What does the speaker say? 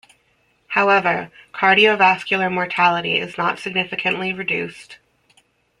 However, cardiovascular mortality is not significantly reduced.